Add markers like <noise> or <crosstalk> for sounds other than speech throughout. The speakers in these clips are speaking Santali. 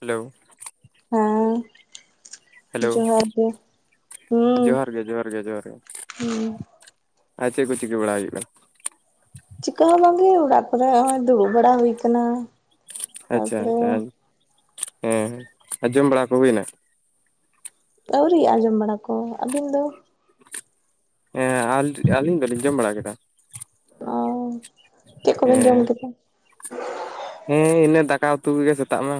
ᱦᱮᱞᱳ ᱦᱮᱸ ᱦᱮᱞᱳ, ᱡᱚᱦᱟᱨ ᱜᱮ ᱦᱩᱸ ᱡᱚᱦᱟᱨ ᱜᱮ, ᱡᱚᱦᱟᱨ ᱜᱮ, ᱡᱚᱦᱟᱨ ᱜᱮ᱾ ᱦᱩᱸ ᱟᱨ ᱪᱮᱫ ᱠᱚ ᱪᱤᱠᱟᱹ ᱵᱟᱲᱟ, ᱦᱳᱭᱳᱜ ᱠᱟᱱᱟ? ᱪᱤᱠᱟᱹ ᱦᱚᱸ ᱵᱟᱝ ᱜᱮ, ᱚᱲᱟᱜ ᱠᱚᱨᱮ ᱦᱚᱸᱜᱚᱭ ᱫᱩᱲᱩᱵ ᱵᱟᱲᱟ, ᱦᱩᱭ ᱠᱟᱱᱟ᱾ ᱟᱪᱪᱷᱟ, ᱛᱟᱨᱯᱚᱨᱮ ᱟᱪᱪᱷᱟ, ᱦᱮᱸ ᱟᱨ ᱡᱚᱢ ᱵᱟᱲᱟ ᱠᱚ ᱦᱩᱭᱮᱱᱟ? ᱟᱹᱣᱨᱤ-ᱟ, ᱡᱚᱢ ᱵᱟᱲᱟ ᱠᱚ, ᱟᱹᱵᱤᱱ ᱫᱚ? ᱮᱸ, ᱟᱹᱞᱤᱧ ᱫᱚᱞᱤᱧ, ᱡᱚᱢ ᱵᱟᱲᱟ ᱠᱮᱫᱟ᱾ ᱚᱸ, ᱪᱮᱫ ᱠᱚᱵᱮᱱ ᱡᱚᱢ ᱦᱮᱸ ᱠᱮᱫᱟ? ᱦᱮᱸ, ᱤᱱᱟᱹ ᱫᱟᱠᱟ ᱩᱛᱩ ᱠᱚᱜᱮ, ᱥᱮᱛᱟᱜ ᱢᱟ᱾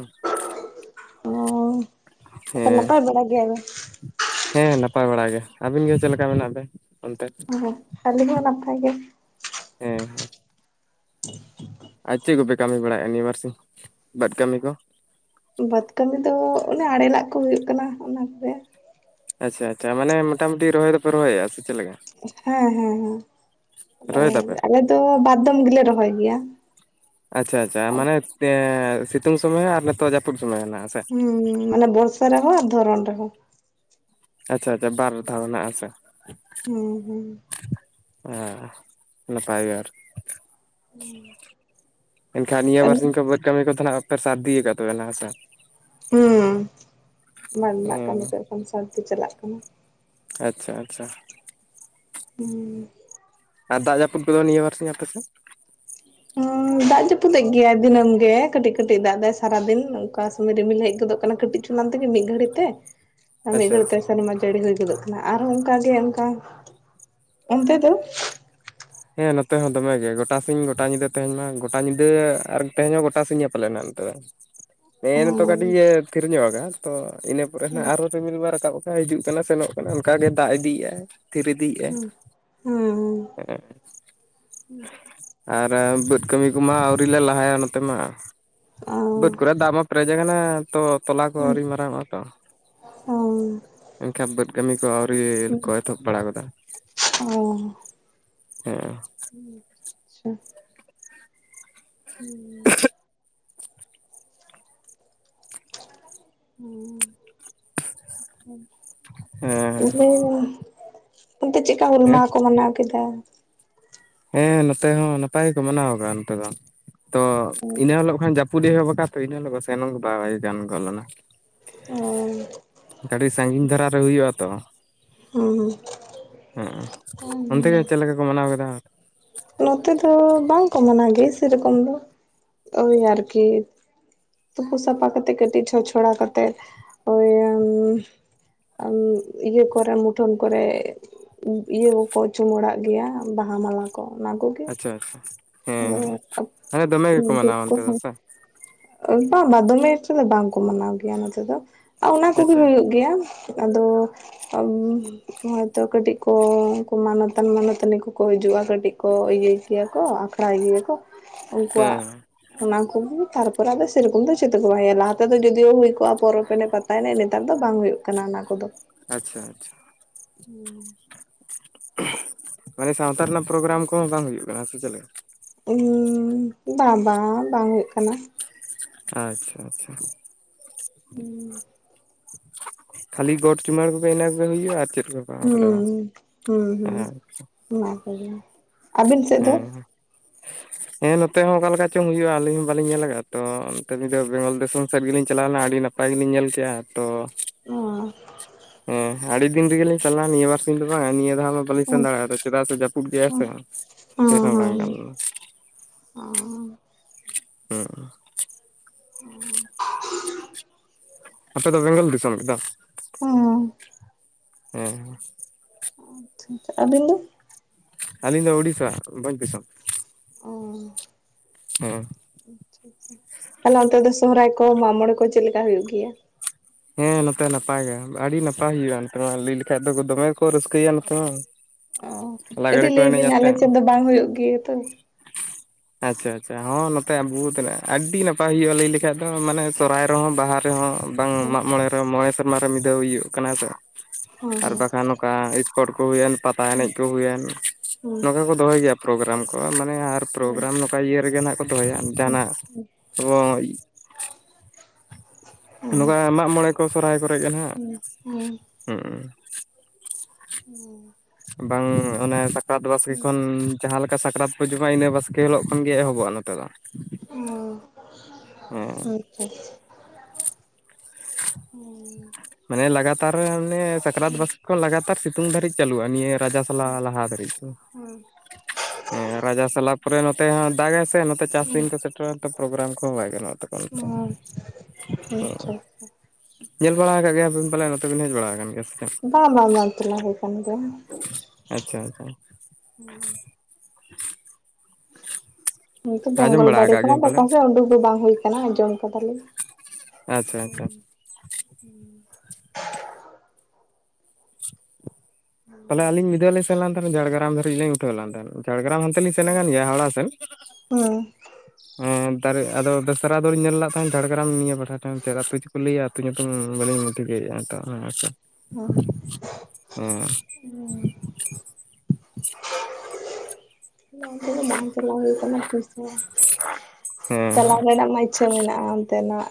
ᱚᱸ, ᱛᱚᱠᱷᱱ ᱦᱮᱸ ᱱᱟᱯᱟᱭ ᱵᱟᱲᱟ ᱜᱮ ᱟᱵᱤᱱ? ᱦᱮᱸ ᱱᱟᱯᱟᱭ ᱵᱟᱲᱟ ᱜᱮ, ᱟᱹᱵᱤᱱ ᱜᱮ ᱪᱮᱫ ᱞᱮᱠᱟ ᱢᱮᱱᱟᱜ ᱵᱮᱱ? ᱚᱱᱛᱮ ᱦᱮᱸ, ᱟ. ᱞᱤᱧ ᱦᱚᱸ ᱱᱟᱯᱟᱭ ᱜᱮ᱾ ᱦᱮᱸ, ᱦᱮᱸ, ᱟᱨ ᱪᱮᱫ ᱠᱚᱯᱮ ᱠᱟᱹᱢᱤ ᱵᱟᱲᱟᱭᱮᱜᱼᱟ, ᱱᱤᱭᱟᱹ ᱵᱟᱨ ᱥᱤᱧ, ᱵᱟ. ᱫᱽ ᱠᱟᱹᱢᱤ ᱠᱚ? ᱵᱟ. ᱫᱽ ᱠᱟᱹᱢᱤ ᱫᱚ, ᱚᱱᱮ ᱟᱲᱮᱞᱟᱜ ᱠᱚ ᱦᱳᱭᱩᱜ ᱠᱟᱱᱟ, ᱚᱱᱟ ᱠᱚᱨᱮ ᱟᱪᱪᱷᱟ, ᱟᱪᱪᱷᱟ, ᱢᱟᱱᱮ ᱢᱚᱴᱟᱢᱩᱴᱤ ᱨᱚᱦᱚᱭ ᱫᱚᱯᱮ ᱨᱚᱦᱚᱭᱮᱜᱼᱟ, ᱥᱮ ᱪᱮᱜ ᱞᱮᱠᱟ? ᱦᱮᱸ, ᱦᱮᱸ, ᱦᱮᱸ, ᱨᱚᱦᱚᱭ ᱦᱳᱭ ᱫᱟᱯᱮ ᱟᱞᱮ ᱫᱚ ᱵᱟᱨᱫᱷᱚᱢ ᱜᱮᱞᱮ ᱨᱚᱦᱚᱭ ᱜᱮᱭᱟ᱾ ᱟᱪᱪᱷᱟ, ᱟᱪᱪᱷᱟ, ᱢᱟᱱᱮ ᱮᱸ, ᱥᱤᱛᱩᱝ ᱥᱚᱢᱚᱭ, ᱟᱨ ᱱᱤᱛᱚᱜ ᱡᱟᱹᱯᱩᱫ ᱥᱚᱢᱚᱭ ᱦᱮᱱᱟᱜ? ᱦᱩᱸ, ᱦᱩᱸ, ᱢᱟᱱᱮ ᱵᱚᱨᱥᱟ ᱨᱮ ᱦᱚᱸ, ᱟᱨ ᱫᱷᱚᱨᱚᱱ ᱨᱮ ᱦᱚᱸ᱾ ᱟᱪᱪᱷᱟ, ᱟᱪᱪᱷᱟ, ᱵᱟᱨ ᱫᱷᱟᱣ ᱨᱮᱱᱟᱜ ᱦᱮᱸᱥᱮ? ᱦᱩᱸ, ᱦᱩᱸ᱾ ᱦᱮᱸ, ᱱᱟᱯᱟᱭ ᱜᱮ ᱟᱨᱠᱤ᱾ ᱮᱱᱠᱷᱟᱱ ᱱᱤᱭᱟᱹ ᱵᱟᱨ ᱥᱤᱧ ᱠᱚ, ᱵᱟᱹᱫᱽ ᱠᱟᱹᱢᱤ ᱠᱚᱫᱚ ᱦᱟᱸᱜ ᱯᱮ ᱥᱟᱨᱫᱤ, ᱠᱟᱫ ᱛᱟᱵᱮᱱᱟ ᱦᱮᱸᱥᱮ? ᱦᱩᱸ, ᱢᱟᱴ ᱨᱮᱱᱟᱜ ᱠᱟᱹᱢᱤ ᱠᱚ, ᱮᱠᱷᱚᱱ ᱥᱟᱨᱫᱤ ᱪᱟᱞᱟᱜ ᱠᱟᱱᱟ᱾ ᱟᱪᱪᱷᱟ, ᱟᱪᱪᱷᱟ᱾ ᱦᱩᱸ᱾ ᱟᱨ ᱫᱟᱜ ᱡᱟᱹᱯᱩᱫ ᱠᱚᱫᱚ, ᱱᱤᱭᱟᱹ ᱵᱟᱨᱥᱤᱧ ᱟᱯᱮ ᱥᱮᱫ? <unintelligible> ᱦᱩᱸ <inaudible> ᱫᱟᱜ ᱡᱟᱹᱯᱩᱫᱮᱜ ᱜᱮᱭᱟᱭ ᱫᱤᱱᱟᱹᱢ ᱜᱮ, ᱠᱟᱹᱴᱤᱡ, ᱠᱟᱹᱴᱤᱡ ᱫᱟᱜ ᱫᱟᱭ ᱥᱟᱨᱟᱫᱤᱱ, ᱚᱝᱠᱟ ᱥᱚᱢᱚᱭ ᱨᱤᱢᱤᱞ ᱦᱮᱡ ᱜᱚᱫᱚᱜ ᱠᱟᱱᱟ ᱠᱟᱹᱴᱤᱡ᱾ ᱚᱱᱟ ᱛᱮᱜᱮ, ᱢᱤᱫ ᱜᱟᱹᱲᱤ ᱛᱮ <unintelligible> <inaudible> ᱢᱤᱫ ᱜᱷᱟᱹᱲᱤᱡ ᱟᱪᱪᱷᱟ ᱛᱮ, ᱥᱮᱨᱢᱟ ᱡᱟᱹᱲᱤ ᱦᱩᱭ ᱜᱚᱫᱚᱜ ᱠᱟᱱᱟ, ᱟᱨᱦᱚᱸ ᱚᱱᱠᱟᱜ ᱜᱮ ᱚᱱᱠᱟ, ᱚᱱᱛᱮ ᱫᱚ? ᱦᱮᱸ ᱱᱚᱛᱮ ᱦᱚᱸ ᱫᱚᱢᱮ ᱜᱮ, ᱜᱚᱴᱟ ᱥᱤᱧ ᱜᱚᱴᱟ ᱧᱤᱫᱟᱹ ᱛᱮᱦᱮᱧ ᱢᱟ, ᱜᱚᱴᱟ ᱧᱤᱫᱟᱹ, ᱟᱨ ᱛᱮᱦᱮᱧ ᱦᱚᱸ ᱜᱚᱴᱟ ᱥᱤᱧᱟᱭ ᱯᱟᱞᱮᱱ ᱦᱟᱜ ᱱᱚᱛᱮ ᱫᱚ᱾ ᱦᱮᱸ ᱱᱤᱛᱳᱜ ᱠᱟᱹᱴᱤᱡ ᱮ, ᱛᱷᱤᱨᱤ ᱧᱚᱜ ᱠᱟᱜᱼᱟ, ᱛᱚ ᱤᱱᱟᱹ ᱯᱚᱨᱮ ᱱᱟᱦᱟᱜ ᱟᱨᱚ ᱨᱤᱢᱤᱞ ᱢᱟ ᱨᱟᱠᱟᱵ ᱠᱟᱜᱼᱟᱭ, ᱦᱤᱡᱩᱜ ᱠᱟᱱᱟ ᱥᱮᱱᱚᱜ ᱠᱟᱱᱟ, ᱚᱱᱠᱟ ᱜᱮ ᱫᱟᱜ ᱤᱫᱤᱭᱮᱫᱼᱟᱭ᱾ ᱛᱷᱤᱨ ᱤᱫᱤᱭᱮᱫᱼᱟᱭ᱾ ᱟᱨ ᱵᱟᱹᱫᱽ ᱠᱟᱹᱢᱤ ᱠᱚᱢᱟ ᱟᱹᱣᱨᱤ ᱞᱮ ᱞᱟᱦᱟᱭᱟ, ᱱᱚᱛᱮ ᱢᱟ ᱵᱟᱹᱫᱽ ᱠᱚᱨᱮ ᱫᱟᱜ ᱢᱟ ᱯᱮᱨᱮᱡ ᱠᱟᱱᱟ ᱛᱚ ᱛᱚᱞᱟ ᱠᱚ, ᱟᱹᱣᱨᱤ ᱢᱟᱨᱟᱝᱚᱜᱼᱟ ᱛᱚ ᱮᱱᱠᱷᱟᱱ ᱵᱟᱹᱫᱽ ᱠᱟᱹᱢᱤ ᱠᱚ ᱟᱹᱣᱨᱤ ᱠᱚ, ᱮᱛᱚᱦᱚᱵ ᱵᱟᱲᱟ ᱜᱚᱫᱟ᱾ ᱚᱸᱻ᱾ ᱦᱮᱸ, ᱟᱪᱪᱷᱟ᱾ ᱦᱩᱸ, ᱦᱩᱸ, ᱦᱩᱸ, ᱦᱩ᱾ ᱦᱮᱸ ᱵᱚᱞᱮ ᱚᱱᱛᱮ ᱪᱮᱫᱠᱟ, ᱦᱩᱞ ᱦᱮᱸ ᱢᱟᱦᱟ ᱠᱚ ᱢᱟᱱᱟᱣ ᱠᱮᱫᱟ? ᱦᱮᱸ ᱱᱚᱛᱮ ᱦᱚᱸ ᱱᱟᱯᱟᱭ ᱜᱮᱠᱚ ᱢᱟᱱᱟᱣ ᱟᱠᱟᱜᱼᱟ ᱱᱚᱛᱮ ᱫᱚ, ᱛᱚ ᱤᱱᱟᱹ ᱦᱤᱞᱳᱜ ᱠᱷᱚᱱ ᱡᱟᱯᱩ ᱡᱟᱯᱩᱫ ᱮᱦᱵ ᱠᱟ ᱛᱚ ᱮᱱᱦᱤᱞᱳ ᱥᱮᱱ ᱚᱜ ᱵᱟᱭ ᱜᱟᱱ ᱜᱚᱞᱟᱝ ᱼᱟ ᱚ ᱟᱰᱤ ᱥᱟᱺᱜᱤᱧ ᱫᱷᱟᱨᱟ ᱨᱮ ᱦᱩᱭᱩᱜᱼᱟ ᱛᱚ, <unintelligible> ᱦᱮᱸ ᱦᱩᱸ ᱚᱱᱛᱮ ᱜᱮ ᱪᱮᱫ ᱞᱮᱠᱟ ᱠᱚ ᱢᱟᱱᱟᱣ ᱠᱮᱫᱟ? ᱱᱚᱛᱮ ᱫᱚ ᱵᱟᱝ ᱠᱚ ᱢᱟᱱᱟᱣ ᱜᱮ ᱥᱮᱨᱚᱠᱚᱢ ᱫᱚ ᱳᱭ ᱟᱨᱠᱤ, ᱛᱩᱯᱩ ᱥᱟᱯᱷᱟ ᱠᱟᱛᱮᱜ ᱠᱟᱹᱴᱤᱡ ᱪᱷᱚᱪ ᱪᱷᱚᱲᱟ ᱠᱟᱛᱮᱫ ᱳᱭ ᱤᱭᱟᱹ ᱠᱚᱨᱮ ᱢᱩᱴᱷᱟᱹᱱ ᱠᱚᱨᱮ ᱤᱭᱟᱹ ᱠᱚᱠᱚ ᱪᱩᱢᱟᱹᱲᱟᱜ ᱜᱮᱭᱟ ᱵᱟᱦᱟ ᱢᱟᱞᱟ ᱠᱚ ᱚᱱᱟ ᱠᱚ, ᱟᱪᱪᱷᱟ ᱟᱪᱪᱷᱟ ᱦᱮᱸ ᱦᱮᱸ ᱦᱮᱸ ᱫᱚᱢᱮ ᱜᱮᱠᱚ ᱫᱷᱩᱯ ᱢᱟᱱᱟᱣᱟ ᱚᱱᱛᱮ ᱫᱚ ᱠᱚᱦᱚᱸ ᱥᱮ, ᱵᱟᱝ ᱵᱟᱫᱚᱢᱮ ᱮᱠᱚᱴᱟ ᱫᱚ ᱵᱟᱝᱠᱚ ᱢᱟᱱᱟᱣ ᱜᱮᱭᱟ ᱱᱚᱛᱮ ᱫᱚ᱾ ᱚᱱᱟ ᱠᱚᱜᱮ ᱟᱪᱪᱷᱟ ᱦᱩᱭᱩᱜ ᱜᱮᱭᱟ᱾ ᱟᱫᱚ ᱦᱚᱭᱛᱚ ᱠᱟᱹᱴᱤᱡ ᱠᱚ ᱢᱟᱱᱚᱛᱟᱱ ᱢᱟᱱᱚᱛᱟᱱᱤ ᱠᱚᱠᱚ ᱦᱤᱡᱩᱜᱼᱟ ᱠᱟᱹᱴᱤᱡ᱾ ᱠᱚ ᱤᱭᱟᱹ ᱜᱮᱭᱟ ᱠᱚ, ᱟᱠᱷᱲᱟ ᱜᱮᱭᱟ ᱠᱚ, ᱩᱱᱠᱩᱣᱟᱜ ᱦᱮᱸ ᱚᱱᱟ ᱠᱚᱜᱮ ᱛᱟᱨᱯᱚᱨᱮ ᱟᱫᱚ ᱥᱮᱨᱚᱠᱚᱢ ᱫᱚ ᱪᱮᱫ ᱠᱚ ᱵᱟᱭ ᱦᱩᱭᱩᱜᱼᱟ, ᱞᱟᱦᱟ ᱛᱮᱫ ᱡᱚᱫᱤᱭᱳ ᱦᱩᱭ ᱠᱚᱜᱼᱟ ᱯᱚᱨᱚᱵᱽ ᱮᱱᱮ ᱯᱟᱛᱟ ᱯᱟᱛᱟ ᱮᱱᱮᱡ ᱱᱮᱛᱟᱨ ᱫᱚ ᱵᱟᱝ ᱦᱩᱭᱩᱜ ᱠᱟᱱᱟ ᱚᱱᱟ ᱠᱚᱫᱚ᱾ ᱟᱪᱪᱷᱟ ᱟᱪᱪᱷᱟ, ᱢᱟᱱᱮ ᱥᱟᱶᱛᱟ ᱨᱮᱱᱟᱜ ᱯᱨᱳᱜᱨᱟᱢ ᱠᱚᱦᱚᱸ ᱵᱟᱝ ᱦᱩᱭᱩᱜ ᱠᱟᱱᱟ ᱥᱮ ᱪᱮᱫᱞᱮᱠᱟ? ᱵᱟ ᱵᱟ ᱵᱟᱝ ᱦᱩᱭᱩᱜ ᱠᱟᱱᱟ᱾ ᱟᱪᱪᱷᱟ, ᱟᱪᱪᱷᱟ᱾ ᱠᱷᱟᱹᱞᱤ ᱜᱚᱴ ᱪᱩᱢᱲᱟ ᱠᱚ ᱤᱱᱟᱹ ᱠᱚ ᱦᱩᱭᱩᱜ ᱟᱨ ᱪᱮᱫ ᱠᱚ? ᱵᱟᱝ ᱵᱚᱞᱮ ᱦᱩᱸ ᱵᱟᱝ ᱦᱩᱸ ᱦᱩᱸ ᱦᱮᱸ ᱚᱱᱟ ᱠᱚᱜᱮ, ᱟᱵᱮᱱ ᱥᱮᱫ ᱫᱚ? ᱦᱮᱸ <unintelligible> ᱦᱮᱸ ᱱᱚᱛᱮ ᱦᱚᱸ ᱚᱠᱟ ᱞᱮᱠᱟ ᱪᱚᱝ ᱦᱩᱭᱩᱜᱼᱟ ᱟᱹᱞᱤᱧ ᱦᱚᱸ ᱵᱟᱞᱤᱧ ᱧᱮᱞ ᱟᱠᱟᱫᱟ ᱛᱚ ᱚᱱᱛᱮ ᱫᱚ ᱵᱮᱝᱜᱚᱞ ᱫᱤᱥᱚᱢ ᱥᱮᱫ ᱜᱮᱞᱤᱧ ᱪᱟᱞᱟ ᱞᱮᱱᱟ ᱟᱹᱰᱤ ᱱᱟᱯᱟᱭ ᱱᱟᱯᱟᱭ ᱜᱮᱞᱤᱧ ᱧᱮᱞ ᱠᱮᱼᱟ, ᱛᱚ ᱦᱮᱸ ᱟᱹᱰᱤ ᱫᱤᱱ ᱨᱮᱜᱮᱞᱤᱧ ᱪᱟᱞᱟᱜᱼᱟ, ᱱᱤᱭᱟᱹ ᱵᱟᱨᱥᱤ ᱫᱚ ᱵᱟᱝ, ᱱᱤᱭᱟᱹ ᱫᱷᱟᱣ ᱢᱟ ᱵᱟᱹᱞᱤᱧ ᱥᱮᱱ ᱚ ᱫᱟᱲᱮᱭᱟᱫᱟ ᱪᱮᱫᱟᱜ ᱥᱮ ᱡᱟᱹᱯᱩᱫ ᱜᱮᱭᱟᱭ ᱥᱮ ᱪᱮᱫ ᱦᱚᱸ ᱵᱟᱝ ᱜᱟᱱ ᱞᱮᱱᱟ ᱾ ᱚᱸᱻ <unintelligible> <unintelligible> ᱟᱯᱮ ᱫᱚ ᱵᱮᱝᱜᱚᱞ ᱫᱤᱥᱚᱢ ᱜᱮᱛᱚ? ᱦᱩᱸ ᱦᱮᱸ ᱟᱪᱪᱷᱟ, ᱟᱪᱪᱷᱟ ᱟᱵᱮᱱ ᱫᱚ? ᱟᱞᱤᱧ ᱫᱚ ᱚᱲᱤᱥᱟ ᱵᱷᱚᱧᱫᱤᱥᱚᱢ᱾ ᱚᱻ ᱦᱮᱸ, ᱛᱟᱦᱞᱮ ᱚᱱᱛᱮ ᱫᱚ ᱥᱚᱦᱨᱟᱭ ᱠᱚ ᱢᱟᱜ ᱢᱚᱬᱮ ᱠᱚ ᱪᱮᱫ ᱞᱮᱠᱟ ᱦᱩᱭᱩᱜ ᱜᱮᱭᱟ? ᱦᱮᱸ ᱱᱚᱛᱮ ᱱᱟᱯᱟᱭ ᱜᱮ ᱟᱹᱰᱤ ᱱᱟᱯᱟᱭ ᱦᱩᱭᱩᱜᱼᱟ, ᱱᱚᱛᱮ ᱢᱟ ᱞᱟᱹᱭ ᱞᱮᱠᱷᱟᱡ ᱫᱚ ᱫᱚᱢᱮ ᱠᱚ ᱨᱟᱹᱥᱠᱟᱹᱭᱟ ᱱᱚᱛᱮ ᱢᱟ᱾ ᱚ ᱞᱟᱜᱽᱲᱮ ᱠᱟᱹᱴᱤᱡ ᱠᱚ ᱞᱟᱹᱭ ᱮᱱᱮᱡ ᱵᱤᱱ ᱟᱛᱮ ᱟᱞᱮ ᱥᱮᱫ ᱫᱚ ᱵᱟᱝ ᱦᱩᱭᱩᱜ ᱜᱮᱭᱟ ᱛᱚ᱾ ᱟᱪᱪᱷᱟ ᱟᱪᱪᱷᱟ, ᱦᱚᱸ ᱱᱚᱛᱮ ᱵᱩᱦᱩᱫ ᱦᱮᱱᱟᱜ-ᱟ ᱟᱹᱰᱤ ᱱᱟᱯᱟᱭ ᱦᱩᱭᱩᱜᱼᱟ ᱞᱟᱹᱭ ᱞᱮᱠᱷᱟᱡ ᱫᱚ ᱢᱟᱱᱮ ᱥᱚᱨᱚᱨᱟᱭ ᱨᱮᱦᱚᱸ ᱵᱟᱦᱟ ᱨᱮᱦᱚᱸ᱾ ᱵᱟᱝ ᱦᱮᱸ ᱢᱟᱜ ᱢᱚᱬᱮ ᱨᱮ ᱢᱚᱬᱮ ᱥᱮᱨᱢᱟ ᱨᱮ ᱢᱤᱫᱟᱹᱣ ᱤᱭᱚᱜ ᱠᱟᱱᱟ ᱛᱚ, ᱦᱮᱸ ᱟᱨ ᱦᱮᱸ ᱵᱟᱠᱷᱟᱱ ᱚᱱᱠᱟ ᱤᱥᱯᱚᱴ ᱠᱚ ᱦᱩᱭᱮᱱ ᱯᱟᱛᱟ ᱮᱱᱮᱡ ᱠᱚ ᱦᱩᱭᱮᱱ ᱦᱮᱸ ᱱᱚᱝᱠᱟ ᱠᱚ ᱫᱚᱦᱚᱭ ᱜᱮᱭᱟ ᱯᱨᱳᱜᱨᱟᱢ ᱠᱚ᱾ ᱢᱟᱱᱮ ᱟᱨ ᱯᱨᱳᱜᱨᱟᱢ ᱱᱚᱝᱠᱟ ᱤᱭᱟᱹ ᱨᱮᱜᱮ ᱱᱟᱦᱟᱜ ᱠᱚ ᱫᱚᱦᱚᱭᱟ ᱡᱟᱦᱟᱱᱟᱜ ᱱᱚᱝᱠᱟ ᱢᱟᱜ-ᱢᱚᱬᱮ ᱠᱚ ᱥᱚᱨᱦᱟᱭ ᱠᱚᱨᱮ ᱜᱮ ᱦᱟᱜ᱾ ᱦᱮᱸ ᱦᱮᱸ ᱦᱮᱸ ᱵᱟᱝ ᱚᱱᱮ ᱥᱟᱠᱨᱟᱛ ᱵᱟᱥᱠᱮ ᱠᱷᱚᱱ ᱡᱟᱦᱟᱸ ᱞᱮᱠᱟ ᱥᱟᱠᱨᱟᱛ ᱠᱚ ᱡᱚᱢᱟ ᱤᱱᱟᱹ ᱵᱟᱥᱠᱮ ᱦᱤᱞᱳᱜ ᱠᱷᱚᱱᱜᱮ ᱮᱦᱚᱵᱚᱜ-ᱟ ᱱᱚᱛᱮ ᱫᱚ᱾ ᱦᱮᱸ ᱚ ᱟᱪᱪᱷᱟ ᱦᱩᱸ ᱢᱟᱱᱮ ᱞᱟᱜᱟᱛᱟ ᱚᱱᱮ ᱥᱟᱠᱨᱟᱛ ᱵᱟᱥᱠᱮ ᱠᱷᱚᱱ ᱞᱟᱜᱟᱛᱟᱨ ᱥᱤᱛᱩᱝ ᱫᱷᱟᱹᱨᱤᱡ ᱪᱟᱹᱞᱩᱜ-ᱟ ᱱᱤᱭᱟᱹ ᱨᱟᱡᱟ ᱚᱱᱟ ᱞᱟᱦᱟ ᱫᱷᱟᱨᱤᱡ ᱫᱚ᱾ ᱦᱩᱸ ᱦᱮᱸ ᱨᱟᱡᱟ ᱥᱟᱞᱟ ᱯᱚᱨᱮ ᱱᱚᱛᱮ ᱦᱚᱸ ᱫᱟᱜᱟᱭ ᱥᱮ ᱱᱚᱛᱮ ᱪᱟᱥ ᱫᱤᱱ ᱠᱚ ᱛᱮ ᱥᱮᱴᱮᱨᱮᱱ ᱛᱮ ᱯᱨᱳᱜᱨᱟᱢ ᱠᱚᱦᱚᱸ ᱵᱟᱭ ᱜᱟᱱᱚᱜ-ᱟ ᱛᱚᱠᱷᱚᱱ, ᱛᱚ ᱟᱨ ᱟᱪᱪᱷᱟ ᱧᱮᱞ ᱵᱟᱲᱟ ᱟᱠᱟᱫ ᱜᱮᱭᱟᱵᱤᱱ ᱯᱟᱞᱮ ᱱᱚᱛᱮ ᱵᱤᱱ ᱦᱮᱡ ᱵᱟᱲᱟ ᱟᱠᱟᱱ ᱜᱮᱭᱟ ᱥᱮ ᱪᱮ? ᱵᱟ ᱵᱟᱝ ᱵᱟᱝ ᱪᱟᱞᱟᱣ ᱦᱩᱭ ᱠᱟᱱ ᱜᱮᱭᱟ᱾ ᱟᱪᱪᱷᱟ ᱟᱪᱪᱷᱟ ᱦᱩᱸ ᱱᱤᱝᱠᱟ ᱟᱸᱡᱚᱢ ᱵᱮᱝᱜᱚᱞ ᱵᱟᱲᱟ ᱵᱟᱭᱨᱮ ᱟᱠᱟᱫ ᱠᱷᱚᱱᱟᱜ ᱜᱮᱭᱟᱢ ᱫᱚ ᱯᱟᱞᱮ ᱚᱠᱟ ᱥᱮᱫ ᱩᱰᱩᱠ ᱫᱚ ᱵᱟᱝ ᱦᱩᱭ ᱠᱟᱱᱟ ᱟᱸᱡᱚᱢ ᱠᱟᱫᱟ ᱞᱤᱧ᱾ ᱟᱪᱪᱷᱟ ᱟᱪᱪᱷᱟ ᱦᱩᱸ ᱯᱟᱞᱮ ᱟᱹᱞᱤᱧ ᱢᱤᱫᱟᱹᱣ ᱞᱤᱧ ᱥᱮᱱ ᱛᱟᱦᱮᱸᱱᱟ ᱡᱷᱟᱲᱜᱨᱟᱢ ᱫᱷᱟᱨᱤᱡ ᱞᱤᱧ ᱩᱴᱷᱟᱹᱣ ᱞᱮᱱ ᱛᱟᱦᱮᱸᱱ, ᱡᱷᱟᱲᱜᱨᱟᱢ ᱦᱚᱱᱛᱮ ᱞᱤᱧ ᱥᱮᱱ ᱟᱠᱟᱱ ᱜᱮᱭᱟ ᱦᱟᱣᱲᱟ ᱥᱮᱱ ᱦᱩᱸ ᱦᱮᱸ ᱫᱟᱨᱮ ᱟᱫᱚ ᱫᱚᱥᱨᱟ ᱫᱨᱤᱧ ᱧᱮᱞ ᱞᱟᱫ ᱛᱟᱦᱮᱸᱱ ᱡᱷᱟᱲᱜᱨᱟᱢ ᱱᱤᱭᱟᱹ ᱯᱟᱦᱴᱟ ᱪᱚᱝ ᱪᱮᱫ ᱟᱹᱛᱩ ᱪᱠᱚ ᱞᱟᱹᱭᱟ ᱟᱹᱛᱩ ᱧᱩᱛᱩᱢ ᱵᱟᱞᱤᱧ ᱴᱷᱤᱠᱟᱹᱭᱮᱜ-ᱟ ᱱᱤᱛᱚᱜ ᱦᱮᱸᱥᱮ᱾ ᱦᱳᱭ ᱩᱸ ᱚᱱᱛᱮ ᱫᱚ ᱵᱟᱝ ᱪᱟᱞᱟᱣ ᱦᱩᱭ ᱠᱟᱱᱟ ᱛᱤᱥ ᱜᱮ ᱦᱮᱸ ᱦᱮᱸ ᱪᱟᱞᱟᱣ ᱨᱮᱱᱟᱜ ᱢᱟ ᱪᱷᱟᱹ ᱢᱮᱱᱟᱜ-ᱟ ᱚᱱᱛᱮ ᱱᱟᱜ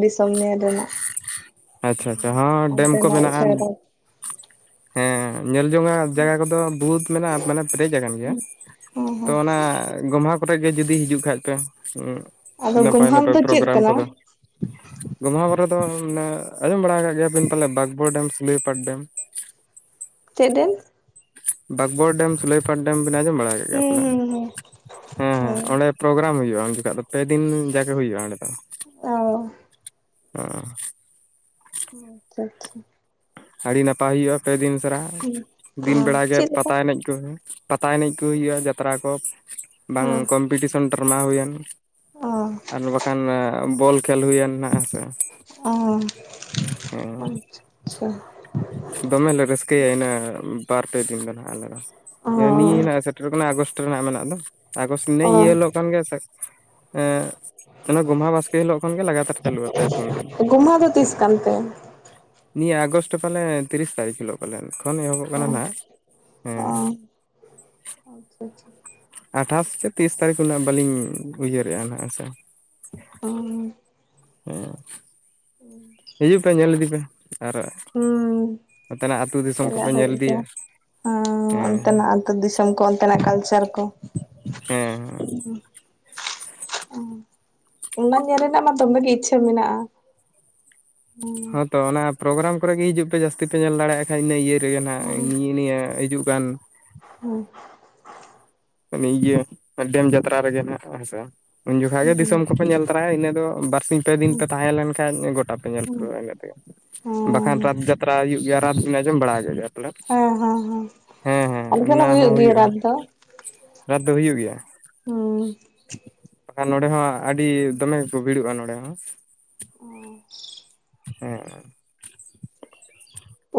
ᱫᱤᱥᱚᱢ ᱧᱮᱞ ᱨᱮᱱᱟᱜ᱾ ᱟᱪᱪᱷᱟ ᱟᱪᱪᱷᱟ ᱦᱚᱸ ᱰᱮᱢ ᱠᱚ ᱚᱱᱛᱮᱱᱟᱜ ᱢᱮᱱᱟᱜ-ᱟ, ᱪᱮᱦᱨᱟ ᱧᱮᱞ ᱡᱚᱝ ᱟᱜ ᱡᱟᱭᱜᱟ ᱠᱚᱫᱚ ᱵᱚᱦᱩᱛ ᱢᱮᱱᱟᱜ-ᱟ ᱢᱟᱱᱮ ᱯᱮᱨᱮᱡ ᱟᱠᱟᱱ ᱜᱮᱭᱟ ᱦᱮᱸ ᱛᱚ ᱦᱮᱸ ᱚᱱᱟ ᱜᱚᱢᱦᱟ ᱠᱚᱨᱮᱜ ᱜᱮ ᱡᱩᱫᱤ ᱦᱤᱡᱩᱜ ᱠᱷᱟᱡ ᱯᱮ ᱟᱫᱚ ᱱᱟᱯᱟᱭ ᱜᱳᱢᱦᱟᱢ ᱱᱟᱯᱟᱭ ᱫᱚ ᱪᱮᱫ ᱯᱨᱳᱜᱨᱟᱢ ᱠᱟᱱᱟ ᱠᱚᱫᱚ, ᱜᱚᱢᱦᱟ ᱠᱚᱨᱚ ᱫᱚ ᱢᱟᱱᱮ ᱟᱸᱡᱚᱢ ᱵᱟᱲᱟᱣ ᱟᱠᱟᱫ ᱜᱮᱭᱟᱵᱤᱱ ᱯᱟᱞᱮ ᱵᱟᱠᱵᱚᱨ ᱰᱮᱢ, ᱥᱩᱞᱟᱹᱭᱯᱟᱴ ᱰᱮᱢ᱾ ᱪᱮᱫ ᱵᱮᱢ? ᱵᱟᱠᱵᱚᱨ ᱰᱮᱢ ᱥᱩᱞᱟᱹᱭᱯᱟᱴ ᱰᱮᱢ ᱵᱮᱱ ᱟᱸᱡᱚᱢ ᱵᱟᱲᱟ ᱠᱟᱫ ᱜᱮᱭᱟ ᱦᱩᱸ ᱯᱟᱞᱮᱱ ᱦᱩᱸ ᱦᱮᱸ ᱦᱮᱸ ᱚᱸᱰᱮ ᱯᱨᱳᱜᱨᱟᱢ ᱦᱩᱭᱩᱜ-ᱟ ᱩᱱ ᱡᱚᱠᱷᱟᱡ ᱫᱚ ᱯᱮ ᱫᱤᱱ ᱡᱟᱜᱮ ᱦᱩᱭᱩᱜ-ᱟ ᱚᱸᱰᱮ ᱫᱚ᱾ ᱚ ᱚ ᱟᱪᱪᱷᱟ ᱟᱪᱪᱷᱟ ᱟᱹᱰᱤ ᱱᱟᱯᱟᱭ ᱦᱩᱭᱩᱜ-ᱟ ᱯᱮ ᱫᱤᱱ ᱥᱟᱨᱟ ᱦᱩᱸ ᱚ ᱫᱤᱱ ᱵᱮᱲᱟᱜᱮ ᱪᱮᱫ ᱞᱮᱠᱟ ᱯᱟᱛᱟ ᱮᱱᱮᱡ ᱠᱚ ᱯᱟᱛᱟ ᱮᱱᱮᱡ ᱠᱚ ᱦᱩᱭᱩᱜ-ᱟ ᱡᱟᱛᱨᱟ ᱠᱚ ᱦᱮᱸ ᱵᱟᱝ ᱚ ᱠᱚᱢᱯᱤᱴᱤᱥᱚᱱ ᱰᱨᱟᱢᱟ ᱦᱩᱭᱮᱱ ᱚ ᱟᱨ ᱵᱟᱠᱷᱟᱱ ᱵᱚᱞ ᱠᱷᱮᱞ ᱦᱩᱭᱮᱱ ᱱᱦᱟᱜ ᱦᱮᱸ ᱥᱮ᱾ ᱦᱮᱸ ᱪᱷᱟ ᱫᱚᱢᱮ ᱞᱮ ᱨᱟᱹᱥᱠᱟᱹᱭᱟ ᱤᱱᱟᱹᱜ ᱵᱟᱨ ᱯᱮ ᱫᱤᱱ ᱜᱟᱱ ᱦᱟᱸᱜ ᱟᱞᱮ ᱫᱚ ᱱᱤᱭᱟᱹ ᱦᱟᱜ ᱥᱮ ᱴᱨᱮᱚ ᱠᱟᱱᱟ ᱟᱜᱚᱥᱴ ᱨᱮᱱᱟᱜ ᱢᱮᱱᱟᱜ ᱫᱚ, ᱟᱜᱚᱥᱴ ᱱᱮ ᱚ ᱤᱭᱟᱹ ᱦᱤᱞᱳᱜ ᱠᱚᱱ ᱜᱮ ᱮ ᱜᱚᱢᱦᱟ ᱵᱟᱥᱠᱮ ᱦᱤᱞᱳᱜ ᱠᱷᱚᱱᱜᱮ ᱞᱟᱜᱟᱛᱟᱨ ᱪᱟᱹᱞᱩᱜ-ᱟ ᱯᱮ ᱯᱩᱱ ᱫᱤᱱ᱾ ᱚ ᱜᱳᱢᱦᱟ ᱫᱚ ᱛᱤᱥ ᱠᱟᱱ ᱛᱮ ᱱᱤᱭᱟᱹ ᱟᱜᱚᱥᱴ ᱯᱟᱞᱮ ᱛᱤᱨᱤᱚᱥ ᱛᱟᱨᱤᱠᱷ ᱦᱤᱞᱳᱜ᱾ ᱯᱟᱞᱮᱱ ᱮᱠᱷᱚᱱ ᱮᱦᱚᱵᱚᱜ ᱚ ᱠᱟᱱᱟ ᱱᱟᱦᱟᱜ ᱦᱮᱸ᱾ ᱚ ᱟᱪᱪᱷᱟ ᱟᱪᱪᱷᱟ ᱟᱴᱷᱟᱥ ᱥᱮ ᱛᱤᱥ ᱛᱟᱹᱨᱤᱠᱷ ᱩᱱᱟᱹᱜ ᱵᱟᱹᱞᱤᱧ ᱩᱭᱦᱟᱹᱨ ᱮ-ᱟ ᱦᱮᱸ ᱥᱮ᱾ ᱚ <unintelligible> ᱩᱸ ᱦᱤᱡᱩᱜ ᱯᱮ ᱧᱮᱞ ᱤᱫᱤ ᱯᱮ᱾ ᱟᱨ ᱦᱩᱸ ᱱᱚᱛᱮᱱᱟᱜ ᱟᱹᱛᱩ ᱫᱤᱥᱚᱢ ᱪᱟᱞᱟᱜ ᱠᱚᱯᱮ ᱧᱮᱞ ᱞᱟᱜᱤᱫ ᱜᱮ ᱤᱫᱤᱭᱟ ᱦᱮᱸ ᱚᱱᱛᱮᱱᱟᱜ᱾ ᱟᱱᱛᱮ ᱫᱤᱥᱚᱢ ᱠᱚ ᱚᱱᱛᱮᱱᱟᱜ ᱠᱟᱞᱪᱟᱨ ᱠᱚ᱾ ᱦᱮᱸ ᱚᱱᱟ ᱧᱮᱞ ᱨᱮᱱᱟᱜ ᱢᱟ ᱫᱚᱢᱮ ᱜᱮ ᱤᱪᱪᱷᱟᱹ ᱢᱮᱱᱟᱜ-ᱟ᱾ ᱦᱚᱸᱛᱚ ᱚᱱᱟ ᱯᱨᱳᱜᱨᱟᱢ ᱠᱚᱨᱮᱜ ᱜᱮ ᱦᱤᱡᱩᱜ ᱯᱮ ᱡᱟᱹᱥᱛᱤ ᱯᱮ ᱧᱮᱞ ᱫᱟᱲᱮᱭᱟᱜ-ᱟ ᱾ ᱦᱮᱸ ᱤᱱᱟᱹ ᱤᱭᱟᱹ ᱨᱮᱜᱮ ᱱᱟᱦᱟᱜ ᱦᱮᱸ ᱱᱤᱭᱟᱹ ᱱᱤᱭᱟᱹ ᱦᱤᱡᱩᱜ ᱠᱟᱱ᱾ <unintelligible> ᱤᱭᱟᱹ ᱰᱮᱢ ᱡᱟᱛᱨᱟ ᱨᱮᱜᱮ ᱱᱟᱜ ᱦᱮᱸ ᱥᱮ ᱩᱱ ᱡᱚᱠᱷᱟ ᱜᱮ ᱫᱤᱥᱚᱢ ᱠᱚ᱾ ᱧᱮᱞ ᱛᱟᱨᱟᱭᱟ ᱤᱱᱟᱹ ᱫᱚ ᱵᱟᱨᱥᱤᱧ᱾ ᱯᱮ ᱫᱤᱱ ᱯᱮ ᱛᱟᱦᱮᱸ ᱞᱮᱱ ᱠᱷᱟᱡ ᱜᱚᱴᱟ ᱯᱮ ᱧᱮᱞ ᱯᱩᱨᱟᱹᱜ-ᱟ ᱤᱱᱟᱹ ᱜᱮ ᱵᱟᱠᱷᱟᱱ ᱨᱟᱛ ᱡᱟᱛ᱾ ᱡᱟᱛᱨᱟ ᱦᱩᱭᱩᱜ ᱜᱮᱭᱟ ᱨᱟᱛ ᱵᱮᱱ ᱟᱸᱡᱚᱢ ᱵᱟᱲᱟ ᱟᱠᱟᱫᱟ ᱜᱮᱭᱟ ᱾ ᱦᱚᱸ ᱦᱚᱸ ᱦᱚᱸ ᱟᱞᱮ ᱥᱮᱫ ᱚᱱᱟ ᱦᱚᱸ ᱦᱩᱭᱩᱜ ᱜᱮᱭᱟ ᱦᱩᱭᱩᱜᱼᱟ ᱨᱛᱱ ᱱᱟᱜ ᱫᱚ᱾ ᱨᱟᱛ ᱫᱚ ᱦᱩᱭᱩᱜ ᱜᱮᱭᱟ᱾ ᱩᱸ ᱱᱚᱰᱮ ᱦᱚᱸ ᱟᱹᱰᱤ ᱫᱚᱢᱮ ᱜᱮᱠᱚ ᱵᱷᱤᱲᱚᱜ-ᱟ ᱱᱚᱸᱰᱮ ᱦᱚᱸ᱾ ᱦᱚᱸ ᱦᱮᱸ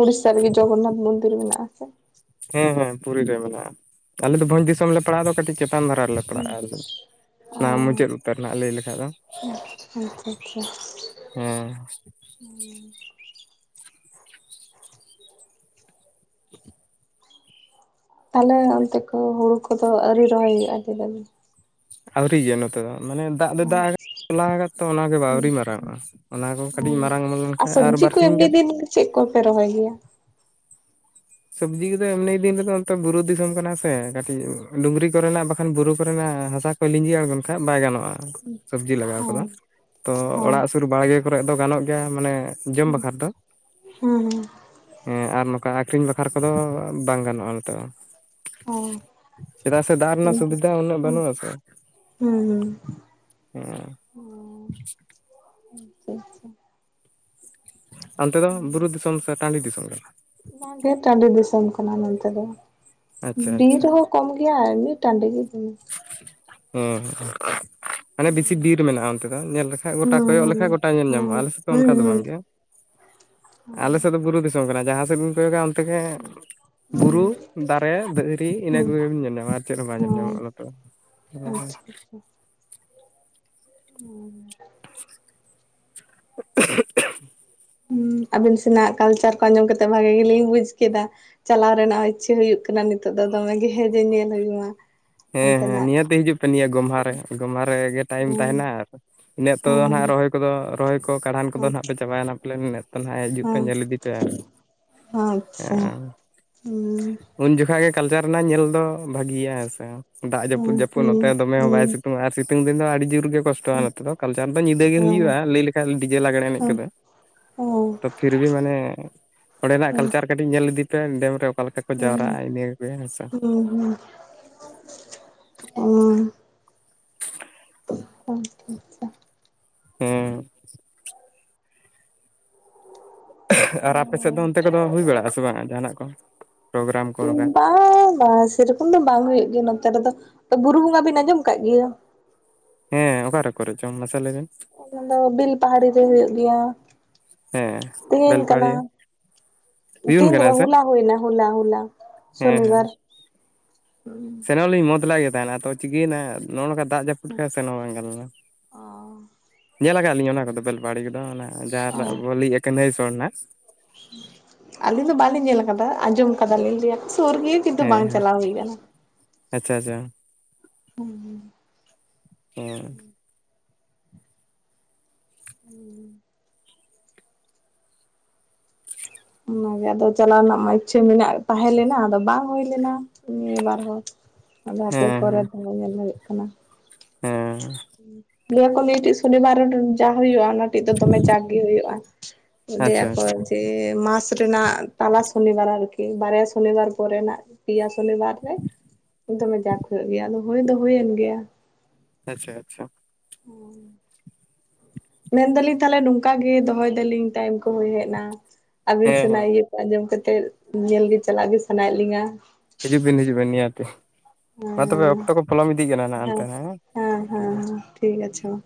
ᱩᱲᱤᱥᱟ ᱨᱮᱜᱮ ᱡᱚᱜᱚᱱᱱᱟᱛᱷ ᱢᱚᱱᱫᱤᱨ ᱢᱮᱱᱟᱜ ᱟᱥᱮ᱾ ᱦᱮᱸ ᱦᱮᱸ ᱯᱩᱨᱤ ᱨᱮ ᱢᱮᱱᱟᱜ-ᱟ, ᱟᱞᱮ ᱫᱚ ᱵᱷᱚᱡᱽ ᱫᱤᱥᱚᱢ ᱞᱮ ᱯᱟᱲᱟᱣ ᱫᱚ ᱠᱟᱹᱴᱤᱡ ᱪᱮᱛᱟᱱ ᱫᱷᱟᱨᱟ ᱨᱮᱞᱮ᱾ ᱯᱟᱲᱟᱜ -ᱟ ᱚ ᱚᱱᱟ ᱢᱩᱪᱟᱹᱫ ᱩᱛᱟᱹᱨ ᱨᱮᱱᱟᱜ ᱞᱟᱹᱭ ᱞᱮᱠᱷᱟᱡ ᱫᱚ᱾ ᱟᱪᱪᱷᱟ ᱟᱪᱪᱷᱟ ᱦᱮᱸ <unintelligible> <unintelligible> ᱛᱟᱦᱚᱞᱮ ᱚᱱᱛᱮ ᱠᱩ ᱦᱩᱲᱩ ᱠᱚᱫᱚ ᱟᱹᱣᱨᱤ ᱨᱚᱦᱚᱭ ᱦᱩᱭᱩᱜ-ᱟ <inaudible> ᱟᱹᱣᱨᱤ ᱜᱮᱭᱟ ᱱᱚᱛᱮ ᱫᱚ, ᱢᱟᱱᱮ ᱫᱟᱜ ᱫᱚ ᱫᱟᱜ ᱟᱠᱟᱫ ᱛᱚᱞᱟ ᱠᱟᱫ ᱛᱚ ᱚᱱᱟᱜᱮ ᱟᱹᱣᱨᱤ ᱢᱟᱨᱟᱝ ᱚᱜ-ᱟ᱾ ᱚᱱᱟ ᱠᱚ ᱠᱟᱹᱴᱤᱡ ᱢᱟᱨᱟᱝ ᱚᱢᱚᱱ ᱞᱮᱱᱠᱷᱟᱱ ᱟᱨ ᱥᱚᱵᱽᱡᱤ ᱠᱚ ᱵᱟᱨᱥᱤᱧ ᱮᱢᱱᱤ ᱜᱟᱱ᱾ ᱫᱤᱱ ᱪᱮᱫ ᱠᱚᱯᱮ ᱨᱚᱦᱚᱭ ᱜᱮᱭᱟ? ᱥᱚᱵᱽᱡᱤ ᱠᱚᱫᱚ ᱮᱢᱱᱤ ᱫᱤᱱ ᱨᱮᱫᱚ ᱚᱱᱛᱮ ᱵᱩᱨᱩ ᱫᱤᱥᱚᱢ ᱠᱟᱱᱟ ᱥᱮ, ᱠᱟᱹᱴᱤᱡ ᱰᱩᱝᱨᱤ ᱠᱚᱨᱮᱱᱟᱜ ᱵᱟᱠᱷᱟᱱ ᱵᱩᱨᱩ ᱠᱚᱨᱮᱱᱟᱜ ᱦᱟᱥᱟ᱾ ᱞᱤᱸᱜᱤ ᱟᱬᱜᱚᱱ ᱠᱷᱟᱡ ᱵᱟᱭ‌ ᱜᱟᱱᱚᱜ-ᱟ᱾ ᱥᱚᱵᱽᱡᱤ ᱞᱟᱜᱟᱣ ᱚ ᱠᱟᱫᱟ ᱛᱚ ᱦᱚᱸ ᱚᱲᱟᱜ ᱥᱩᱨ ᱵᱟᱲᱜᱮ ᱠᱚᱨᱮ ᱫᱚ ᱜᱟᱱᱚᱜ ᱜᱮᱭᱟ ᱢᱟᱱᱮ᱾ ᱡᱚᱢ ᱦᱮᱸ ᱵᱟᱠᱷᱨᱟ ᱫᱚ ᱦᱮᱸ ᱦᱮᱸ ᱟᱨ ᱱᱚᱝᱠᱟ᱾ ᱟᱠᱷᱨᱤᱧ ᱵᱟᱠᱷᱨᱟ ᱠᱚᱫᱚ ᱵᱟᱝ ᱜᱟᱱᱚᱜ-ᱟ ᱱᱤᱛᱚᱜ᱾ ᱚ ᱪᱮᱫᱟᱜ ᱥᱮ ᱫᱟᱜ ᱨᱮᱱᱟᱜ ᱦᱩᱸ ᱥᱩᱵᱤᱫᱷᱟ ᱩᱱᱟᱹᱜ ᱵᱟᱹᱱᱩᱜ ᱟᱥᱮ᱾ ᱦᱩᱸ ᱦᱮᱸ ᱟᱪᱪᱷᱟ ᱟᱪᱪᱷᱟ ᱚᱱᱛᱮ ᱫᱚ ᱵᱩᱨᱩ ᱫᱤᱥᱚᱢ ᱥᱮ ᱴᱟᱰᱤ ᱫᱤᱥᱚᱢ ᱠᱟᱱᱟ᱾ ᱵᱟᱝᱜᱮ ᱴᱟᱰᱤ ᱫᱤᱥᱚᱢ ᱠᱟᱱᱟ ᱱᱚᱱᱛᱮ ᱫᱚ ᱟᱪᱪᱷᱟ ᱵᱤᱨ ᱟᱪᱪᱷᱟ ᱦᱚᱸ᱾ ᱠᱚᱢ ᱜᱮᱭᱟ ᱮᱢᱱᱤ ᱴᱟᱰᱤ ᱜᱮ ᱫᱚᱢᱮ᱾ ᱦᱩᱢ ᱢᱟᱱᱮ ᱵᱮᱥᱤ ᱵᱤᱨ ᱢᱮᱱᱟᱜ-ᱟ ᱚᱱᱛᱮ ᱫᱚ ᱧᱮᱞ ᱞᱮᱠᱷᱟᱡ ᱜᱚᱴᱟ ᱦᱩᱸ ᱠᱚᱭᱚᱜ ᱞᱮᱠᱷᱟᱡ ᱜᱚᱴᱟ ᱧᱮᱞ ᱦᱩᱸ ᱧᱟᱢᱚᱜ-ᱟ ᱟᱞᱮᱥᱮᱫ ᱫᱚ ᱦᱩᱸ ᱚᱱᱠᱟ ᱫᱚ ᱦᱩᱸ ᱵᱟᱝᱜᱮ᱾ ᱟᱞᱮ ᱥᱮᱫ ᱫᱚ ᱵᱩᱨᱩ ᱫᱤᱥᱚᱢ ᱠᱟᱱᱟ ᱡᱟᱦᱟᱸ ᱥᱮᱫ ᱵᱤᱱ ᱠᱚᱭ ᱠᱚᱭᱚᱜᱼᱟ᱾ ᱚᱛᱮ ᱵᱩᱨᱩ ᱫᱟᱨᱮ ᱫᱷᱤᱨᱤ ᱤᱱᱟᱹ ᱦᱩᱸ ᱠᱚᱜᱮᱢ ᱧᱮᱞ ᱧᱟᱢᱟ ᱟᱨ ᱪᱮᱫ ᱦᱚᱸ ᱵᱟᱝ ᱧᱮᱞ ᱦᱩᱸ ᱧᱟᱢᱚᱜᱼᱟ᱾ ᱦᱩᱸ <unintelligible> ᱟᱪᱪᱷᱟ ᱦᱩᱸ <inaudible> ᱦᱚᱸ ᱟᱹᱵᱤᱱ ᱥᱮᱱᱟᱜ ᱠᱟᱞᱪᱟᱨ ᱠᱚ ᱟᱸᱡᱚᱢ ᱠᱟᱛᱮᱜ ᱵᱷᱟᱹᱜᱤ ᱜᱮᱞᱤᱧ ᱵᱩᱡ ᱠᱮᱫᱟ᱾ ᱪᱟᱞᱟᱣ ᱨᱮᱱᱟᱜ ᱤᱪᱷᱟᱹ ᱦᱩᱭᱩᱜ ᱠᱟᱱᱟ᱾ ᱱᱤᱛᱚᱜ ᱫᱚ ᱫᱚᱢᱮ ᱜᱮ ᱡᱮ ᱧᱮᱞ ᱦᱩᱭᱩᱜᱼᱟ᱾ ᱦᱮᱸ ᱦᱮᱸ ᱱᱤᱦᱟᱹᱛᱮ ᱦᱤᱡᱩᱜ ᱯᱮ ᱱᱤᱭᱟᱹ ᱜᱚᱢᱦᱟ ᱨᱮ ᱾ ᱜᱚᱢᱦᱟ ᱨᱮᱜᱮᱼᱼ ᱴᱟᱭᱤᱢ ᱦᱩᱸ ᱛᱟᱦᱮᱱᱟ ᱟᱨ ᱤᱱᱟᱹᱜ ᱛᱚ ᱱᱟᱦᱟᱜ ᱦᱩᱸ ᱨᱚᱦᱚᱭ ᱠᱚᱫᱚ ᱨᱚᱦᱚᱭ ᱠᱚ ᱠᱟᱬᱦᱟᱱ ᱠᱚᱫᱚ ᱦᱩᱸ ᱱᱟᱦᱟᱜ ᱯᱮ ᱪᱟᱵᱟᱭᱟ ᱱᱟᱦᱟᱜ ᱯᱟᱞᱮ᱾ ᱱᱟᱹᱜᱼᱼ ᱛᱟᱦᱟ ᱦᱤᱡᱩᱜ ᱯᱮ᱾ ᱦᱩᱸ ᱧᱮᱞ ᱤᱫᱤ ᱯᱮ ᱟᱨ᱾ ᱟᱪᱪᱷᱟ ᱦᱮᱸᱻ ᱦᱩᱸ ᱩᱱ ᱡᱚᱠᱷᱟ ᱜᱮ ᱠᱟᱞᱪᱟᱨ ᱨᱮᱱᱟᱜ ᱧᱮᱞ ᱫᱚ ᱵᱷᱟᱹᱜᱤᱭᱟ ᱦᱮᱸ ᱥᱮ᱾ ᱫᱟᱜ ᱡᱟᱹᱯᱩᱫ ᱦᱩᱸ ᱡᱟᱹᱯᱩᱫ ᱱᱚᱛᱮ ᱦᱩᱸ ᱫᱚᱢᱮ ᱦᱚᱸ ᱵᱟᱭ ᱦᱩᱸ ᱥᱤᱛᱩᱝ ᱟᱨ ᱥᱤᱛᱩᱝ ᱫᱤᱱ ᱫᱚ ᱟᱹᱰᱤ ᱡᱳᱨ ᱜᱮᱼᱼ ᱠᱚᱥᱴᱚᱜᱼᱟ ᱱᱚᱛᱮ ᱫᱚ ᱾ ᱠᱟᱞᱪᱟᱨ ᱫᱚ ᱧᱤᱫᱟᱹ ᱜᱮ ᱦᱩᱸ ᱦᱩᱭᱩᱜᱼᱟ ᱾ ᱞᱟᱹᱭ ᱞᱮᱠᱷᱟᱱ ᱰᱤᱡᱮ ᱞᱟᱜᱽᱬᱮ ᱮᱱᱮᱡ ᱠᱚᱫᱚ᱾ ᱵᱟᱝ ᱛᱚ ᱯᱷᱤᱨ ᱵᱷᱤ ᱢᱟᱱᱮ ᱚᱸᱰᱮᱱᱟᱜ ᱵᱟᱝ ᱠᱟᱞᱪᱟᱨᱼᱼ ᱠᱟᱹᱴᱤᱡ ᱧᱮᱞ ᱤᱫᱤ ᱯᱮ ᱾ ᱰᱮᱢ ᱨᱮ ᱚᱠᱟ ᱞᱮᱠᱟ ᱠᱚ ᱡᱟᱣᱨᱟᱜᱼᱟ ᱾ ᱤᱱᱟᱹ ᱜᱮᱯᱮ ᱦᱮᱸ ᱥᱮ᱾ ᱦᱩᱸ ᱦᱩᱸ ᱦᱳ ᱟᱪᱷᱟ ᱟᱪᱷᱟ, ᱦᱮᱸᱻ ᱟᱨ ᱟᱯᱮ ᱥᱮᱫ ᱫᱚ ᱚᱱᱛᱮ ᱠᱚᱫᱚ ᱦᱩᱭ ᱵᱟᱲᱟᱜᱼᱟ? ᱥᱮ ᱵᱟᱝ ᱡᱟᱦᱟᱱᱟᱜ ᱠᱚ ᱯᱨᱳᱜᱨᱟᱢ ᱠᱚ ᱚᱱᱠᱟ? ᱦᱮᱸ ᱵᱟᱝᱜᱟ ᱾ ᱥᱮᱨᱚᱠᱚᱢ ᱫᱚ ᱵᱟᱝ ᱦᱩᱭᱩᱜ ᱜᱮᱭᱟ ᱱᱚᱛᱮ ᱨᱮᱫᱚ ᱾ ᱵᱩᱨᱩ ᱵᱚᱸᱜᱟ ᱵᱤᱱ ᱟᱸᱡᱚᱢ ᱠᱟᱜ ᱜᱮᱭᱟ? ᱦᱮᱸ ᱚᱠᱟᱨᱮ ᱠᱚᱨᱮ ᱪᱚᱝ? ᱢᱟᱥᱮ ᱞᱟᱹᱭ ᱵᱤᱱ? ᱚᱱᱟ ᱫᱚ ᱵᱤᱞ ᱯᱟᱦᱟᱲᱤ ᱨᱮ ᱦᱩᱭᱩᱜ ᱜᱮᱭᱟ᱾ ᱦᱮᱸ ᱵᱮᱞᱯᱟᱦᱟᱲᱤᱭᱟᱹ᱾ ᱦᱩᱭᱩᱜ ᱛᱤᱦᱟᱹᱱ ᱫᱚ ᱠᱟᱱᱟ ᱵᱟᱝ ᱥᱮ ᱦᱚᱞᱟ ᱦᱩᱭᱱᱟ ᱦᱚᱞᱟ ᱦᱚᱞᱟ ᱦᱮᱸ ᱥᱚᱱᱤ ᱵᱟᱨ᱾ ᱦᱩᱸ ᱥᱮᱱᱚᱞᱤᱧ ᱢᱚᱡᱽ ᱞᱮᱫ ᱜᱮ ᱛᱟᱦᱮᱱᱟ᱾ ᱛᱚ ᱪᱤᱠᱟᱹᱭᱮᱱᱟᱼᱼ ᱱᱚᱜ ᱱᱚᱝᱠᱟ ᱫᱟᱜ ᱡᱟᱹᱯᱩᱫ ᱠᱷᱟᱱ ᱥᱮᱱ ᱵᱟᱝ ᱜᱟᱱ ᱞᱮᱱᱟ᱾ ᱚ ᱧᱮᱞ ᱟᱠᱟᱫ ᱞᱤᱧ ᱚᱱᱟ ᱠᱚᱫᱚ ᱵᱮᱞᱯᱟᱦᱲᱤ ᱠᱚᱫᱚ ᱾ ᱚᱱᱟ ᱡᱟᱦᱟᱸ ᱨᱮᱱᱟᱜ ᱵᱚᱱ ᱞᱟᱹᱭ ᱟᱠᱟᱱᱟ ᱠᱟᱺᱭᱤᱥᱚᱲ ᱱᱟᱜ᱾ ᱟᱹᱞᱤᱧ ᱫᱚ ᱵᱟᱹᱞᱤᱧ ᱧᱮᱞ ᱠᱟᱫᱟ ᱾ ᱟᱸᱡᱚᱢ ᱠᱟᱫᱟ ᱞᱤᱧ ᱞᱟᱹᱭᱟ ᱾ ᱥᱩᱨ ᱜᱮ ᱠᱤᱱᱛᱩ ᱵᱟᱝ ᱪᱟᱞᱟᱣ ᱦᱩᱭ ᱠᱟᱱᱟ᱾ ᱟᱪᱷᱟ ᱟᱪᱷᱟ᱾ ᱦᱩᱸ ᱩᱸ ᱦᱮᱸ <unintelligible> ᱚᱱᱟᱜᱮ ᱟᱫᱚ ᱪᱟᱞᱟᱣ ᱨᱮᱱᱟᱜ ᱢᱟ ᱤᱪᱷᱟᱹ ᱢᱮᱱᱟᱜ ᱛᱟᱦᱮᱸ ᱞᱮᱱᱟ ᱾ ᱟᱫᱚ ᱵᱟᱝ ᱦᱩᱭ ᱞᱮᱱᱟ᱾ ᱱᱤᱭᱟᱹ ᱵᱟᱨ ᱦᱚᱸ᱾ ᱟᱫᱚ ᱦᱮᱸ ᱯᱚᱨᱮ ᱛᱮ ᱫᱚ ᱧᱮᱞ ᱦᱩᱭᱩᱜ ᱠᱟᱱᱟ᱾ ᱦᱮᱸᱻ ᱱᱤᱭᱟᱠᱚ ᱱᱴᱤᱡ ᱥᱚᱱᱤᱵᱟᱨ ᱡᱟ ᱦᱩᱭᱩᱜᱼᱟ᱾ ᱚᱱᱟ ᱴᱮᱱ ᱫᱚ ᱫᱚᱢᱮ ᱡᱟᱠ ᱜᱮ ᱦᱩᱭᱩᱜᱼᱟ᱾ ᱤᱫᱤ ᱟᱪᱪᱷᱟ ᱟᱠᱚ ᱟᱪᱪᱷᱟ ᱡᱮ ᱢᱟᱥᱼᱼ ᱨᱮᱱᱟᱜ ᱛᱟᱞᱟ ᱥᱚᱱᱤᱵᱟᱨ ᱟᱨᱠᱤ ᱵᱟᱨᱭᱟ ᱥᱚᱱᱤᱵᱟᱨ ᱯᱚᱨᱮᱱᱟᱜ ᱯᱮᱭᱟ ᱥᱚᱱᱤᱵᱟᱨ ᱨᱮᱼᱼ ᱫᱚᱢᱮ ᱡᱟᱠ ᱦᱩᱭᱩᱜ ᱜᱮᱭᱟ ᱟᱫᱚ ᱦᱩᱭ ᱫᱚ ᱦᱩᱭᱮᱱ ᱜᱮᱭᱟ᱾ ᱟᱪᱪᱷᱟ ᱟᱪᱪᱷᱟ ᱦᱩᱸᱻ ᱢᱮᱱ ᱫᱟᱞᱤᱧ ᱛᱟᱦᱚᱞᱮ ᱱᱚᱝᱠᱟ ᱜᱮ ᱫᱚᱦᱚᱭ ᱫᱟᱞᱤᱧ ᱴᱟᱭᱤᱢ ᱠᱚ ᱦᱩᱭᱮᱡ ᱮᱱᱟ᱾ ᱟᱹᱵᱤᱱ ᱦᱮᱸ ᱥᱟᱱᱟ ᱦᱮᱸ ᱤᱭᱟᱹ ᱠᱚ ᱟᱸᱡᱚᱢ ᱠᱟᱛᱮᱜ ᱧᱮᱞ ᱜᱮ ᱪᱟᱞᱟᱜ ᱜᱮ ᱥᱟᱱᱟᱭᱮᱜ ᱞᱤᱧᱟ ᱾ ᱦᱤᱡᱩ ᱵᱤᱱ ᱦᱤᱡᱩᱜ ᱵᱤᱱ ᱱᱤᱭᱟᱹᱛᱤ ᱢᱟ ᱛᱚᱵᱮ ᱚᱠᱛᱚ ᱠᱚ ᱯᱚᱞᱚᱢ! ᱤᱫᱼᱼ ᱦᱮᱸ ᱦᱟᱸ ᱦᱟᱸ ᱦᱟᱸ ᱴᱷᱤᱠ ᱟᱪᱷᱮ ᱢᱟ᱾